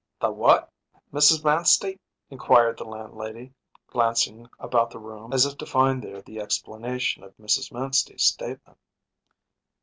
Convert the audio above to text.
“The what, Mrs. Manstey?‚ÄĚ inquired the landlady, glancing about the room as if to find there the explanation of Mrs. Manstey’s statement.